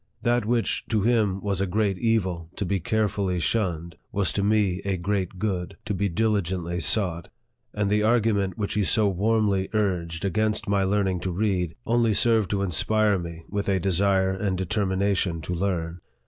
That which to him was a great evil, to be carefully shunned, was to me a great good, to be diligently sought ; and the argument which he so warmly urged, against my learning to read, only served to inspire me with a desire and determination to learn.